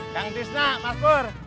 jangan bisna mas pur